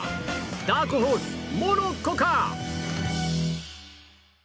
ダークホース、モロッコか？